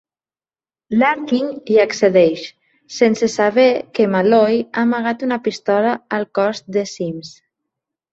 Larkin hi accedeix, sense saber que Malloy ha amagat una pistola al cos de Sims.